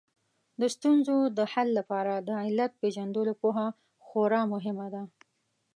د ستونزو د حل لپاره د علت پېژندلو پوهه خورا مهمه ده